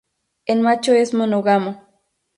El macho es monógamo.